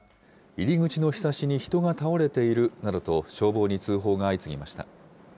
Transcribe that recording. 入り口のひさしに人が倒れているなどと消防に通報が相次ぎました。